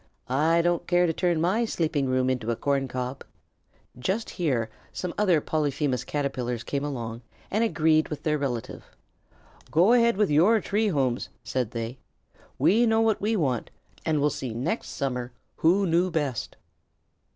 I don't care to turn my sleeping room into a corn crib." Just here some other Polyphemus Caterpillars came along and agreed with their relative. "Go ahead with your tree homes," said they. "We know what we want, and we'll see next summer who knew best."